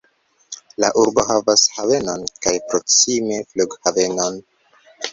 La urbo havas havenon kaj proksime flughavenon.